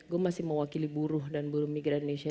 gue masih mewakili buruh dan buruh migran indonesia